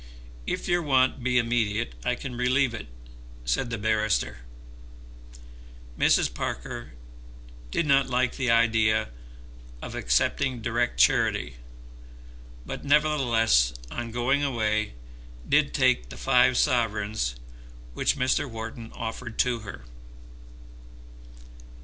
"If your want be immediate I can relieve it," said the barrister. Mrs. Parker did not like the idea of accepting direct charity, but, nevertheless, on going away did take the five sovereigns which Mr. Wharton offered to her.